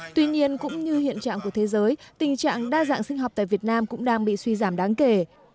tuy nhiên cũng như hiện trạng của thế giới tình trạng đa dạng sinh học tại việt nam cũng đang bị suy giảm đáng kể